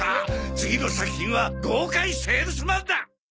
次の作品は豪快セールスマンだ！